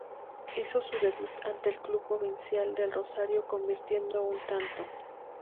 Hizo su debut ante el Club Provincial de Rosario, convirtiendo un tanto.